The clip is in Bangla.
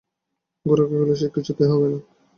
গোরা কহিল, সে কিছুতেই হবে না মা!